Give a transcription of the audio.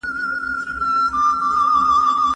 زوی به د پلار خبره نه وي هېره کړې.